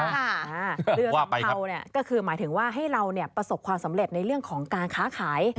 เรือสัมเภาเนี่ยก็คือหมายถึงว่าให้เราประสบความสำเร็จในเรื่องของการค้าขาย